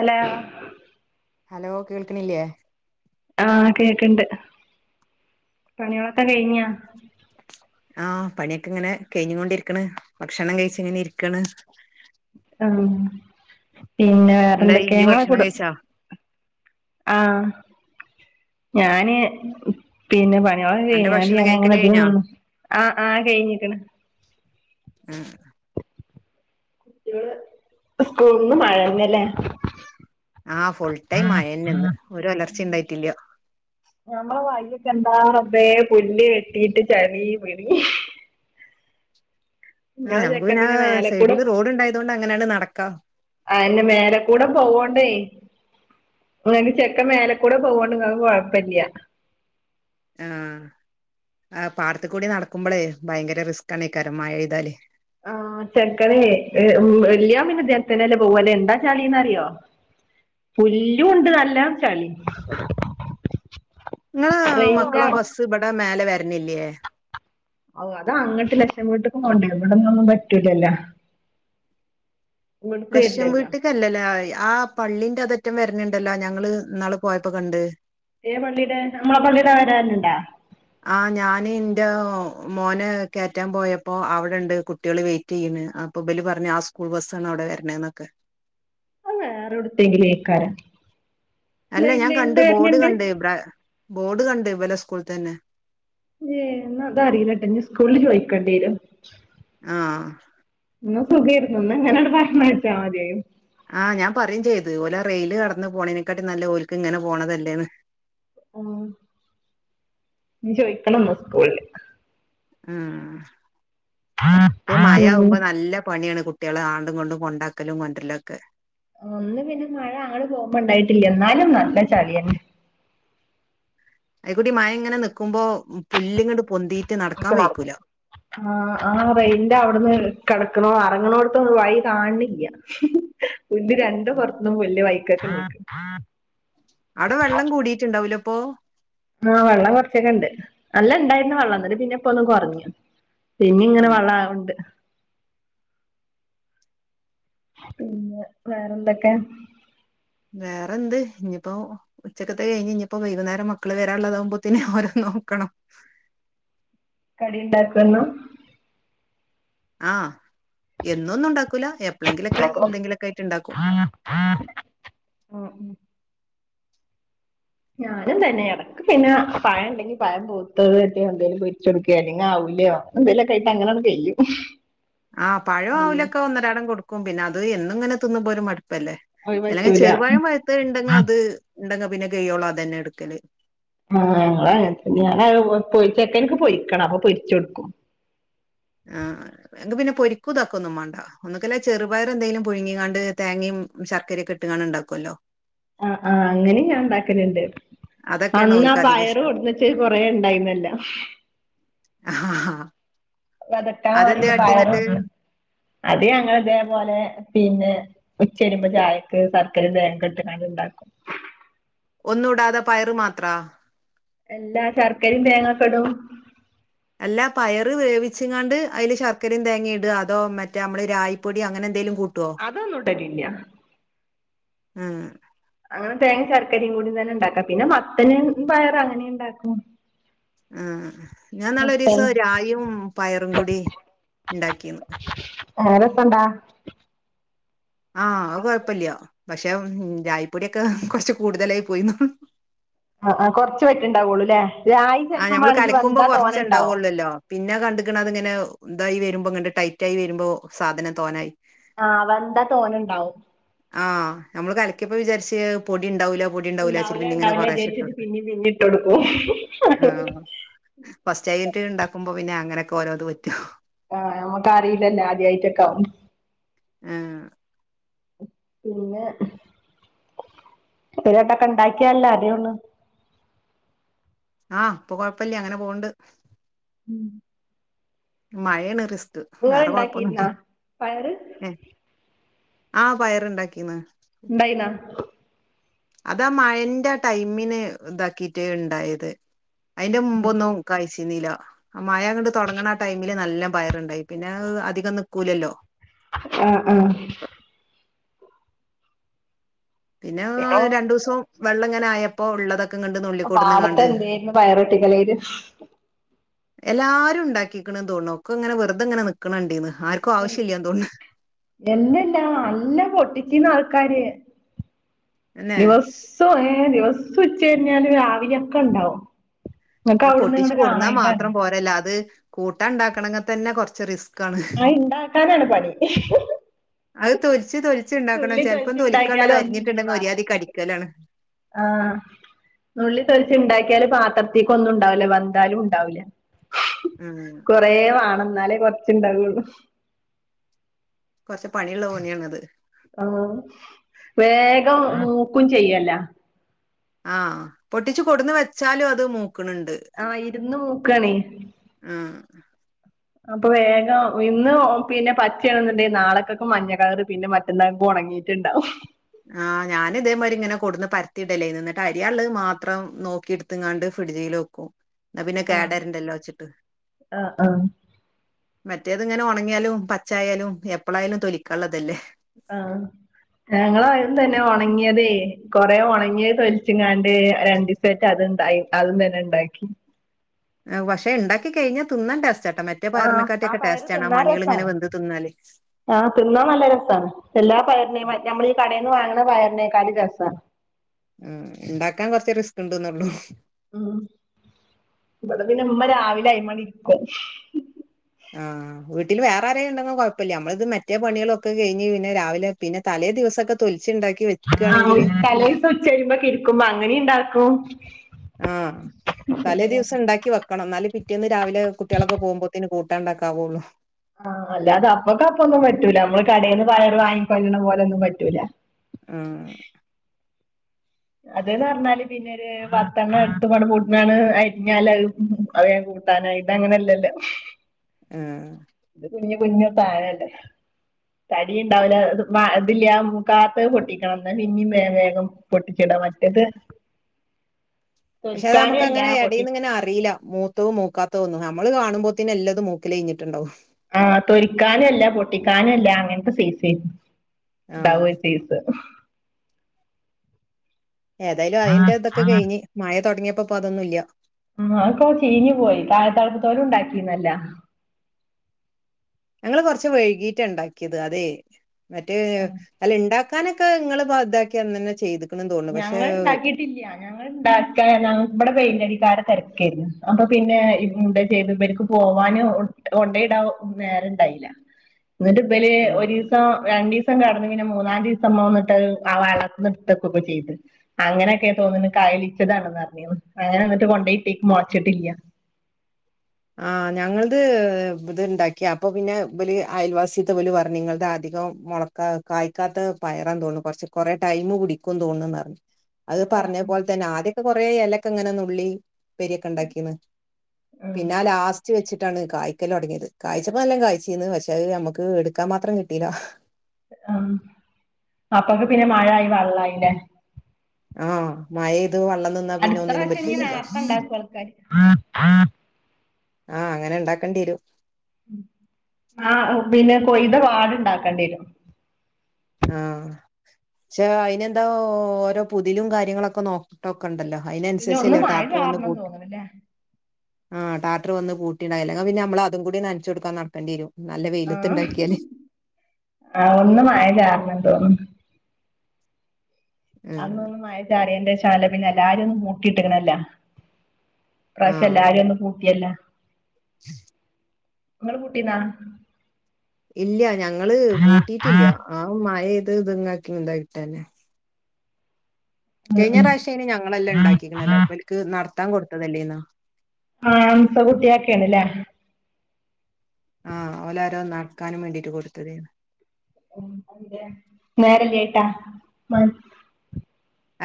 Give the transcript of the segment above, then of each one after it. Hello hello കേൾക്ക്‌ണില്ലേ? ആ കേക്ക്‌ണ്ട് പണികളൊക്കെ കയിഞ്ഞോ? ആഹ് പണിയൊക്കെ ഇങ്ങനെ കഴിഞ്ഞുകൊണ്ടിരിക്ക്ണ്. ഭക്ഷണം കഴിച്ച് ഇങ്ങനെ ഇരിക്കാണ്. ആമം പിന്നെ എന്തായി വേറെന്തൊക്കെ ഇയ്യ് ങ്ങെളെ ഭക്ഷണം കുടും കഴിച്ചാ ആഹ് ഞാന് മം. പിന്നെ പണിയാളൊക്കെ അന്റെ കഴിഞ്ഞാണ്ട് ഭക്ഷണം ഞാൻ കഴിക്കല് ഇങ്ങനെ കഴിഞ്ഞാ ഇതിന്‌നിന്നെ. ആ ആ കഴിഞ്ഞ്ക്ക്‌ണ് മം കുട്ടേള് സ്കൂൾന്ന് മഴന്നല്ലേ? ആ ഫുൾടൈം മയന്നെന്ന്. ഒരു ഒലർച്ചിം ഇണ്ടായിട്ടില്ല. ഞമ്മളെ വയ്യൊക്കെ എന്താ റബേ പുല്ല് കെട്ടീട്ട് ചളീ പിളീ ആ ഇങ്ങളെ ഞങ്ങക്ക് ചെക്കൻ പിന്ന ആ പിന്നെ മേലെക്കൂടെ സൈഡില് റോഡ് ഇണ്ടായതോണ്ട് അങ്ങനെണ്ട് നടക്കാ. അയെന്നെ മേലേകൂടെ പോവോണ്ടേയ് ഇങ്ങക്ക് ചെക്കൻ മേലക്കൂടെ പോവോണ്ട് ങ്ങക്ക് കുഴപ്പല്ല. ആഹ് ആഹ് പാടത്ത്ക്കൂടി നടക്കുമ്പളേ ഭയ്ങ്കര റിസ്ക്കാണേക്കാരം മഴെയ്താല് ആഹ് ചെക്കനിലേ ഏ ഉം വെല്ല്യോന് പിന്നെ ഇതേത്തന്നെല്ലേ പോവല് എന്താ ചളി ന്നറിയോ പുല്ലൂ ണ്ട് നല്ലം ചളീം ഇങ്ങളെ ട്രെയിനിന്റെ മക്കളെ ബസ് ഇവിടെ മേലെ വെര്ലില്ലേ ഔ അത് അങ്ങട്ട് ലക്ഷം വീട്ട്ക്ക്‌ പോണ്ടേ ഇ വിട്ന്നൊന്നും പറ്റൂലല്ലോ ഇവിട്ക്ക് ലക്ഷം വരില്ലല്ലോ വീട്ടിക്കല്ലല്ലാ ആയ് ആഹ് പള്ളിന്റതറ്റം വര്നിണ്ടല്ലോ ഞങ്ങള് ഇന്നാള് പോയ്പ്പക്കണ്ട് ഏ പളളീടെ നമ്മളെ പള്ളീടെ വരാലിണ്ടാ ആ ഞാന് ന്റെ മോനെ കേറ്റാൻ പോയപ്പോ അവിടെണ്ട് കുട്ട്യാൾ വെയി റ്റീണ് അപ്പൊ ബല് പർഞ്ഞ് ആ സ്കൂൾ ബസ്സാണ് അവ്ടെ വര്നേ ന്നൊക്കെ വേറെവ്ട്ത്തേങ്കിലു ഏക്കാരം അല്ല ഞാൻ കണ്ട് ബോഡ് കണ്ട് ബ്രാ ബോഡ് കണ്ട് ഇവലെ സ്കൂൾതന്നെ ഏ ന്നാ അതറീലട്ടോ ഇഞ്ഞ് സ്കൂൾല് ചോയ്ക്കണ്ട്യേരും ആഹ് ഇന്നാ സുഖേര്ന്നു. ന്നാ ഇങ്ങനണ്ട് പറഞ്ഞയച്ചാ മതിയെനു ആ ഞാൻ പറിം ചെയ്ത് ഓലാ റെയില് കടന്ന് പോണേനെക്കാട്ടി നല്ലെ ഓല്ക്ക് ഇങ്ങനെ പോണതല്ലേന്ന് ഉം ഇഞ്ഞ് ചോയിക്കണംന്ന് സ്കൂളില് ഉം റ്റെ ഉം മയാവുമ്പോ നല്ല പണിയാണ് കുട്ട് കുട്യാളെ ആണ്ടുംങ്ങട്ടും കൊണ്ടാ ക്കലും കൊണ്ടര്ലൊക്കെ ഇന്ന് പിന്നെ മഴ അങ്ങട്ട് പോമ്പണ്ടായിട്ടില്ല ന്നാലും നല്ല ചളിയെന്നെ അയി ക്കൂടി മയങ്ങനെ നിക്കുമ്പോ പുല്ല്ങ്ങട്ട് പൊന്തീട്ട് നടക്കാൻ വെയ്ക്കൂല ആഹ് ആഹ് റെയിൽന്റവ്ട്ന്ന് കെടക്കണോ അറങ്ങണോട്ത്തൊന്നു വയി കാണ് ണില്ല പുല് രണ്ട് പൊർത്തും [unintelligible] അടെ വള്ളം കൂടീറ്റിണ്ടാവുലേ പോ ആ വള്ളം കൊർച്ചൊക്കെണ്ട് നല്ല ഇണ്ടായിരുന്നു വള്ളം എന്നട്ട് പിന്നെ ഇപ്പ ഒന്ന് കൊറഞ്ഞു പിന്നീങ്ങനെ ഉം വള്ളാവിണ്ട് പിന്നെ വേറെന്തെക്കെ വേറെന്ത് ഇഞ്ഞ്പ്പോ ഉച്ചക്കത്തെ കയ്ഞ്ഞിപ്പോ വൈകുന്നേരം മക്കള് വരാള്ളതമ്പോത്തിന് ഓരെ നോക്കണം കടി ഉണ്ടാക്കോ എന്നും? ആ എന്നൊന്നുണ്ടാക്കൂല എപ്പഴെങ്കിലൊക്കെ എന്തെങ്കിലൊക്കെ ആയിട്ട് ഇണ്ടാക്കും ഞാനും തന്നെയാ [unintelligible] നക്ക് പിന്നെ പഴം ഉണ്ടെങ്കിൽ പഴം പയുത്തത് എന്തേങ്കലും പൊരിച്ച കൊടുക്കുക അല്ലെങ്കി അവിലോ എന്തെലൊക്കയിട്ട് അങ്ങനെ കയ്യും ആ പഴം അവിലൊക്കെ ഒന്നരാടം കൊടുക്കും പിന്നെ അത് എന്നും ഇങ്ങനെ തിന്നും മ്പോ ഒരു മടുപ്പല്ലേ അത് ചില പറ്റൂല ചെറുപഴം പയത്ത ഇണ്ടെങ്ക ആഹ് അത് ഉണ്ടെങ്ക പിന്നെ കൈയോളം അത് തന്നെ എടുക്കല് ആ ഞങ്ങളും അങ്ങനെന്നെ. ഞാൻ പൊരിച്ചേക്ക എനിക്ക് പൊരിക്കണം അപ്പൊ പൊരിച്ച കൊടുക്കും ആഹ് ക്ക് പിന്നെ പൊരിക്കും താക്കും ഒന്നും മാണ്ട ഒന്നക്കല്ല ചെറുപയർ എന്തേലും പുഴുങ്ങികാണ്ട് തേങ്ങയും ശർക്കര ഒക്കെ ഇട്ട്കാണ്ട് ഉണ്ടാക്കുല്ലോ ആ ആഹ് അങ്ങനെ ഞാൻ ഉണ്ടാക്കലുണ്ട് അതൊക്കെയാണ് അന്നാ ഓൽക്ക് അധികം പയറ് ഇഷ്ടം കൊടുന്നച്ച കൊറേ ഉണ്ടായിന്നല്ല ആഹ ആഹ് വതക്കാൻ വേണ്ടി് പയറും അത് ഞങ്ങൾ ഇതേപോലെ പിന്നെ ഉച്ച വരുമ്പോ ചായക്ക് സർക്കര തേങ്ങിക്കെ ഇട്ട്ക്കണ്ട് ഉണ്ടാക്കും ഒന്നും ടാതെ പയറ് മാത്രാ എല്ലാ ശർക്കരയും തേങ്ങക്കെടും അല്ലാ പയറ് വേവിച്ചങ്ങാണ്ട് അതില് ശർക്കരയും തേങ്ങുയും ഇടോ അതോ മറ്റേ നമ്മള് രായപ്പൊടി അങ്ങനെ എന്തെങ്കലും കൂട്ട അതൊന്നുംട്ടരില്ല. ഉം അങ്ങനെ തേങ്ങ ശർക്കരയും കൂടി തന്നെ ഉണ്ടാക്കാം പിന്നെ മത്തന് പയർ അങ്ങനെ ഉണ്ടാക്കും ഉം ഞാൻ മത്തൻ ഇന്നാള്ഒരീസം രായും പയറും കൂടി ഉണ്ടാക്കിന്ന് വേറെപ്പന്താ ആഹ അത് കൊഴപ്പില്ല പക്ഷെ ചായപ്പൊടൊക്കെ കുറച്ച് കൂടുതലായി പോയിന്നള്ളൂ ആ കുറച്ച് വറ്റ്ണ്ടാവുള്ളൂ ല്ലേ. രായി ആഹ് ചെലപ്പോ ഞമ്മള് കലക്കുമ്പോ മാണെങ്കിവന്താ കൊറച്ച് തോന്ന ഉണ്ടാവും ഇണ്ടാവൊള്ളല്ലോ പിന്നെ കണ്ടിക്കണ അത് ഇങ്ങനെ ഇന്തായി വരുമ്പോ ഇങ്ങ ടൈറ്റ ആയി വരുമ്പോ സാധനം തോന്നായി ആഹ് വെന്താ തോന്ന ഉണ്ടാവും. ആഹ് നമ്മള് കലിക്ക പ്പോ വിചാരിച്ച പൊടി ഉണ്ടാവൂല പൊടി ഉണ്ടാവൂല ഇച്ചിരി ഇണ്ടാവൂല പിന്നങ്ങനെ ഇണ്ടാവൂല കൊറേശേ വിചാരിച്ചിട്ട് ഇട്ട് പിന്നിം പിന്നിം ഇട്ട് കൊടുക്കും ആഹ് ഫസ്റ്റ് ആയിട്ട് ഉണ്ടാക്കുമ്പോ പിന്നെ അങ്ങനെയൊക്കെ ഓരോത് പറ്റും ആഹ് നമുക്കറിയില്ലല്ലേ ആദ്യമായിട്ടൊക്കെ ആകും ആഹ് പിന്നെ ഇതൊക്കെ ഉണ്ടാക്കിയല്ലോ അറിയുള്ളൂ ആഹ് ഇപ്പൊ കൊഴപ്പില്ല അങ്ങനെ പോവണ്ട്. ഉം മഴാണ് റിസ്ക്ക് ഇങ്ങള് വേറെ ഇണ്ടാക്കിയിരുന്നാ കൊഴപ്പൊന്നുല്ല പയറ് ആഹ് പയറുണ്ടാക്കിന്ന് ബൈ ന്നാ അതാ മഴന്റെ ആ ടൈമിന് ഇതാക്കിട്ട് ഉണ്ടായത് അയിന്റെ മുമ്പൊന്നും കഴ്ചന്നീല മയ അങ്ങടെ തുടങ്ങണ ആ ടൈമില് നല്ല പയറുണ്ടായി പിന്നെ അധികം നിക്കൂലല്ലോ. ആഹ് ആഹ പിന്നെ രണ്ടു ദിവസവും വെള്ളം ഇങ്ങനെ ആയപ്പോ ഉള്ളതൊക്കെ പാടത്തെ എന്തായിന്നു പയറൊട്ടിക്കളിയില് എല്ലാരും ഉണ്ടാക്കിക്കണന്ന് തോണു ഒക്കെ വെറുതെ ഇങ്ങനെ നിക്കണക്കണ്ടന്ന് ആർക്കും ആവശ്യമില്ലാ അതോണ്ട്. എന്നല്ലാ നല്ല പൊട്ടിക്കുന്ന ആൾക്കാര് തന്നെ ദിവസ് സോ ദിവസം ഉച്ച കഴഞ്ഞാല് രാവില ഒക്കെ ഉണ്ടാവും നിങ്ങക്ക് അവിടുന്ന് പൊട്ടിച്ചു ഇങ്ങട് കൊടന്നാ കാണായിട്ടാണ് മാത്രം പോരല്ല അത് കൂട്ടാ ഉണ്ടാക്കണെങ്കിൽ തന്നെ കുറച്ച് റിസ്ക് ആ ഉണ്ടാക്കാനാണ് പണി അത് തൊലിച്ച് തൊലച്ച്ണ്ടാക്കണണം. നുള്ളി ചിലപ്പം തൊലിച്ച് ഇണ്ടാക്കിയാല് തൊലിക്കാനുള്ളത് ഒന്നും ഇല്ല അരിഞ്ഞിട്ടുണ്ടെങ്കിൽ ഒര്യാദ പാത്രത്ത്ക്ക് കടിക്കലാണ് ആഹ് നുള്ളി തൊലിച്ച് ഉണ്ടാക്കിയാല് പാത്രത്തേക്ക ഒന്നും ഉണ്ടാവില്ല. വന്താലും ഉണ്ടാവില്ല ഉം കൊറേ മാണം. എന്നാലേ കൊറച്ചുണ്ടാവുള്ളൂ കുറച്ച് പണിയുള്ള പണിയാണ് അത് ആ വേഗം മൂക്കും ചെയ്യല്ല ആഹ് പൊട്ടിച്ച് കൊടന്ന് വെച്ചാലും അത് മൂക്ക്ണണ്ട് ആ ഇര്ന്ന് മൂക്കാണേ ആ അപ്പൊ വേഗം ഇന്ന് പിന്നെ പച്ചയാണെന്ന്ണ്ടെന്കി നാളകേക്ക് മഞ്ഞ കളറ് പിന്നെ മ എന്നാപ്പൊ ഉണങ്ങീട്ട്ണ്ടാവും ആ ഞാനിതേമായിരി ഇങ്ങനെ കൊട്ന്ന് പരത്തിടലാനി ന്ന്ട്ട് അരിയാന്ള്ള മാത്രം നോക്കി എടുത്ത്ങ്ങാണ്ട് ഫ്രിഡ്ജിൽ വെക്കും ഒ ന്നാ പിന്നെ ആഹ് കേടരണ്ടല്ലോച്ചിട്ട് ആഹ് ആഹ് മറ്റേത്ങ്ങനെ ഒണങ്ങിയാലും പച്ചായാലും എപ്പളായാലും തൊലിക്കാന്ള്ളതല്ലേ ആ ഞങ്ങള് അരും തന്നെ ഒണങ്ങിയതേ കൊറേ ഒണങ്ങിയത് തൊലിച്ച്ങ്ങാ ഏഹ് രണ്ടീസായിട്ട് അത്ണ്ടായി അതും തന്നെണ്ടാക്കി ആഹ് പക്ഷെണ്ടാക്കി കഴിഞ്ഞാ തിന്നാൻ ടേസ്റ്റാട്ടോ മറ്റ്- മറ്റേ ആഹ് ആ പയറിനെക്കാട്ടിയൊക്കെ പയറ് ടേസ്റ്റാണ് ആ മണികളിങ്ങനെ വെന്ത് തിന്നാല് ആ തിന്നാൻ നല്ല രസാണ് എല്ലാ പയറിനേം മറ്റ് നമ്മളീ കടയിന്ന് വാങ്ങണ പയറിനേക്കാളും രസാ മ്മ് ണ്ടാക്കാൻ കൊറച്ച് റിസ്ക്ണ്ട് ന്നേള്ളൂ ഉം ഇവിടെ പിന്നമ്മ രാവിലെ അയ് മണിരിക്കും ആഹ് വീട്ടില് വേറാരെണ്ടെന്കീകൊഴപ്പമില്ല നമ്മള്ത് മറ്റേ പണികളൊക്കെ കഴിഞ് പിന്നെ രാവിലെ പിന്നെ തലേ ദിവസൊക്കെ തൊലിച്ച്ണ്ടാക്കി ആഹ് തലേസം ഉച്ചരിയിമ്പക്കിരിക്കുമ്പോ അങ്ങനെണ്ടാക്കും ആ തലേ ദിവസണ്ടാക്കി വെക്ക ക്കണം ന്നാല പിറ്റേന്ന് രാവിലെ കുട്ടിയളൊക്കെ പോകുമ്പോത്തിന് കൂട്ടാണ്ടാക്കാവുള്ളൂ ആ അല്ലാതെ അപ്പക്കപ്പൊന്നും പറ്റൂല നമ്മള് കടേന്ന് പയറ് വാങ്ങിക്കല്ല്ണ പോലൊന്നും പറ്റൂല ആ അത് ന്ന് പറഞ്ഞാല് പിന്നൊര് പത്തെണ്ണട്ത്ത് പൊട്ണാണ് അരിഞ്ഞാല് അത് വേഗം കൂട്ടാനായി ഇത് അങ്ങനല്ലല്ലോ [unintelligible] ആ ഇത് കുഞ്ഞു കുഞ്ഞു പാന്ണ്ട് തടി ഉണ്ടാവൂല ത് ല്ല്യ ആ മൂക്കാത്ത് പൊട്ടിക്കണം ന്നാ പിന്നേം വേഗം വേഗം പൊട്ടി ക്കിണ്ടോമറ്റത് പക്ഷെ അല്ല അതമ്മക്കങ്ങനെ പൊട്ടി എടയീന്ന- ങ്ങനെ അറിയില മൂത്തഉം മൂക്കാത്തഒന്നും നമ്മള് കാണുമ്പോത്തന്നെ എല്ലതും മൂക്കലൈഞ്ഞിട്ടുണ്ടാവും ആ തൊരിക്കാനുഅല്ല പൊട്ടിക്കാനു അല്ല അങ്ങനത്തെ സെയ്സ് ആഹ് ഡാവുഅ ചീസ് ഏതായാലും അയ്ന്റെതൊക്കെ കയിഞ്ഞ് മയതൊടങ്ങിയപ്പൊപ്പതൊന്നുല്ല്യ ആ അഒക്കെ ചീഞ്ഞ് പോയി തായത്തള്പ്പ്തോലും ണ്ടാക്കീന്നല്ലാ ഞങ്ങള് കൊറച്ച് വയ്കീറ്റാ ണ്ടാക്കിയത് അതേ മറ്റ് അല്ല ണ്ടാക്കാനൊക്കെ ങ്ങള് താക്കിയന്നന്നെ ചെയ്ത് ഞങ്ങള്ണ്ടാക്കീട്ടില്ല ഞങ്ങ ണ്ടാക്കാന ബ്ട പെയിന്റടിക്കാരെ തെരക്കാരുന്നു അപ്പൊ പിന്നെ ന്താ ചെയ്ത് ഇവര്ക്ക് പോവാന് കൊണ്ടയിടാവൊ നേരണ്ടായില ന്ന്ട്ട് വെല് ആഹ് ഒരീസം രണ്ടീസം കെടന്ന്ങ്ങനെ മൂന്നാം ദീസം മ്മ വന്ന്ട്ട് ആ വള്ളത്ത്ന്നട്ത്ത് ഒക്ക ചെയ്ത് അങ്ങനെയൊക്കെ തോന്ന്ണ് കയലിച്ചതാണ്ന്ന് പറഞ്ഞീന് അങ്ങനെന്ന്ട്ട് കൊണ്ടോയിട്ടിക് മൊയച്ചിട്ടില്ല ആ ഞങ്ങള്ത് ത്ണ്ടാക്കി അപ്പൊ പിന്നെ വല് അയൽവാസിൽത്തോ ല് പറഞ്ഞ് നിങ്ങൾതധികം മൊള കാ കായ്ക്കാത്ത പയറാന്ന്തോന്ന് കൊറച്ച് കൊറേ ടൈം പിടിക്കൂന്ന് തോന്ന് പറഞ്ഞ് അത് പറഞ്ഞപോലെതന്നെ ആദ്യൊക്കെ കൊറേ എലക്കെ ങ്ങനെ നുള്ളി പ്പേരിയൊക്കെണ്ടാക്കീന് ഉം പിന്നാ ലാസ്റ്റ് വെച്ചിട്ടാണ് കായ്ക്കല് തൊടങ്ങിയത് കായ്ച്ചപ്പം നല്ലണംകയ്ചീന് പക്ഷെ അത് നമ്മക്ക് എടുക്കാമാത്രം കി ട്ടീലാഹ് അം അപ്പക്ക് പിന്നെ മഴായി വെള്ളായിലെ ആ മഴയത് വെള്ളം നിന്ന്. അടുത്ത പ്രാവശ്യം ന്ന് നേർത്തെ ണ്ടാക്കും ആൾക്കാര്. ആഹ് അങ്ങനെ ഉണ്ടാക്കേണ്ടി വരും. ആഹ് പിന്നെ കൊയ്ത പാടുണ്ടാക്കേണ്ടി വരും. ആ ക്ഷ അയിനന്താ ഓരോ പുതിലും കാര്യങ്ങളൊക്കെ നോ ഒക്കെ ഉണ്ടല്ലോ പിന്നെ ഒന്ന് അതിനനുസരിച്ചല്ലോ മഴ ടാട്ടർ വന്ന് ചാറണം പൂ തോന്നണില്ലേ ആഹ് ടാട്ടർ വന്ന് കൂട്ടിണ്ടായില്ല അത്പിന്നെ നമ്മള അതും കൂടി നനച്ചു കൊടുക്കാ നട്ടംതിരിയും നല്ല ആഹ് വെയിലത്ത്ണ്ടാക്കിയാലേ ആ ഒന്നുംമയ ചാറുന്നുണ്ട് തോന്നുന്നു. ആഹ് അന്നൊന്നും മയചാറിയന്റെ ശേഷം പിന്നെ എല്ലാരെന്നു മൂട്ടിട്ടിണല്ല. ആഹ് പ്രാവശ്യഎല്ലാരന്നും പൂട്ടയല്ലൊ. [inaudible] നിങ്ങളെ കുട്ടീണ്ടാ ഇല്ല ഞങ്ങള് പൂട്ടിട്ടില്ല ആ മഴ ഇത് ഇതങ്ങാക്കി ഇന്തായിട്ടന്നെ. ഉം കഴിഞ്ഞ ഉം പ്രാവശ്യം അയ്ന് ഞങ്ങളെല്ലാം ഉണ്ടാക്കിക്കണല്ലോ ഇവൽക്ക നടത്താൻ കെടുത്തതല്ലയ്നോ. ആ അംസ കുട്ടിയാക്കണ്ലേ ആ, ഓലാരോ നടക്കാനും വേണ്ടീട്ട് കൊടുത്തതയ്നി. [unintelligible] നേരല്ലേയ്ട്ട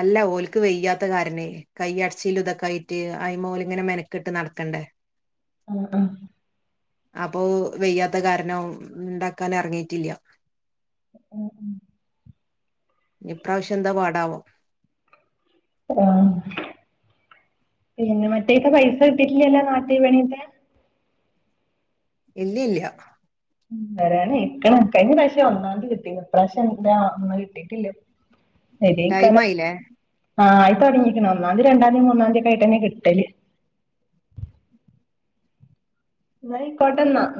അല്ല ഓലക്ക് വെയ്യാത്ത കാരണേ കൈയടച്ചില് ഇതൊക്കെ ആയിട്ട് അയിമേല് ഇങ്ങനെ മെനക്കട്ട് നടക്കണ്ട് ആ ആ അപ്പൊ വെയ്യാത്ത കാരണം ഇണ്ടാക്കാൻ എറങ്ങിട്ടില്ല ഉം ഉം ഇപ്രാവശ്യം എന്താ പാടാവോ ആഹ് പിന്നെ മറ്റേത് പൈസ കിട്ടിട്ടില്ലല്ലോ നാട്ടിപണീട്ത്തെ. ഇല്ല്യ ഇല്ല്യ വരാൻ ആയിക്ക്ണ് കഴ്ഞ്ഞ പ്രാവിശ്യം ഒന്നാം തീതി കിട്ടീ ഇപ്രാവിശ്യം എന്താ ഒന്നും കിട്ടീട്ടില്ല. ടൈം തെരയ്ക്കാരം ആയില്ലേ ആയി തുടങ്ങിക്ക്ണ് ഒന്നാംതി രണ്ടാംതി മൂന്നാംതി ഒക്ക ആയിട്ടന്നെ കിട്ടല്. നയ്ക്കോട്ടന്ന